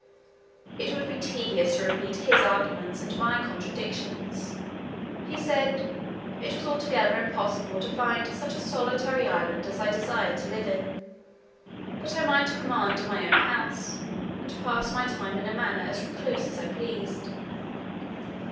It would be tedious to repeat his arguments, and my contradictions. He said, "it was altogether impossible to find such a solitary island as I desired to live in; but I might command in my own house, and pass my time in a manner as recluse as I pleased."